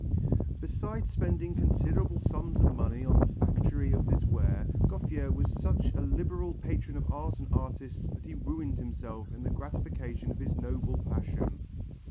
Besides spending considerable sums of money on the factory of this ware, Gouffier was such a liberal patron of art and artists that he ruined himself in the gratification of his noble passion.